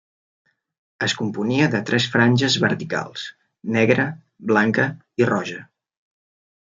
Es componia de tres franges verticals: negra, blanca i roja.